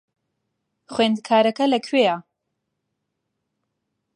خوێندکارەکە لەکوێیە؟